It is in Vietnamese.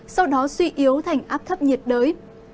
sau đó suy yếu thành áp thấp nhiệt đới